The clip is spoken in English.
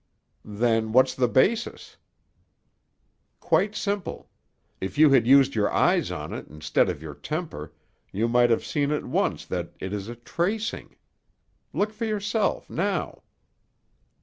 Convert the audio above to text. "Then, what's the basis?" "Quite simple. If you had used your eyes on it instead of your temper, you might have seen at once that it is a tracing. Look for yourself, now."